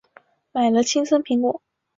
买了青森苹果